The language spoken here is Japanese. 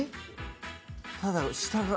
ただ下が。